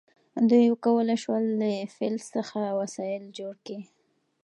دوی وکولی شول له فلز څخه وسایل جوړ کړي.